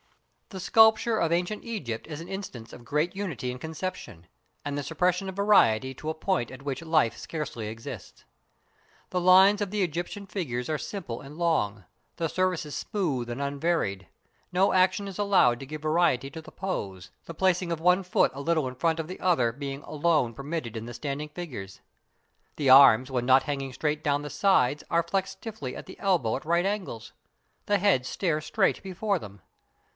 The sculpture of ancient Egypt is an instance of great unity in conception, and the suppression of variety to a point at which life scarcely exists. The lines of the Egyptian figures are simple and long, the surfaces smooth and unvaried, no action is allowed to give variety to the pose, the placing of one foot a little in front of the other being alone permitted in the standing figures; the arms, when not hanging straight down the sides, are flexed stiffly at the elbow at right angles; the heads stare straight before them.